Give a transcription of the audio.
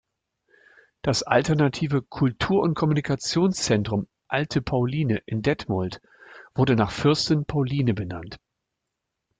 Das alternative Kultur- und Kommunikationszentrum Alte Pauline in Detmold wurde nach Fürstin Pauline benannt.